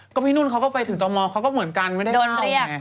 ก็พี่นุ่นเขาก็ไปถึงตมเขาก็เหมือนกันไม่ได้เข้าไง